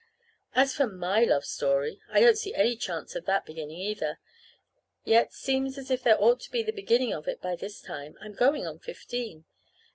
As for my love story I don't see any chance of that's beginning, either. Yet, seems as if there ought to be the beginning of it by this time I'm going on fifteen.